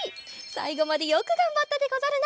さいごまでよくがんばったでござるな。